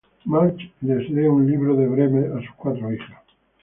March les lee un libro de Bremer a sus cuatro hijas.